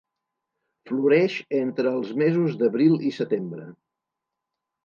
Floreix entre els mesos d'abril i setembre.